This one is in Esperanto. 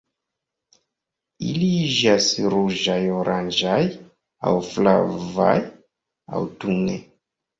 Ili iĝas ruĝaj, oranĝaj aŭ flavaj aŭtune.